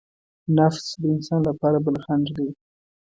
نفس د انسان لپاره بل خڼډ دی.